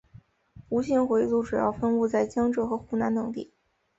伍姓回族主要分布在江浙和湖南等地。